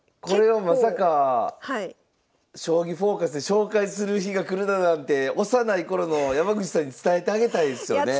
これはまさか「将棋フォーカス」で紹介する日が来るだなんて幼い頃の山口さんに伝えてあげたいですよね。